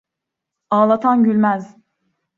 Ağlatan gülmez.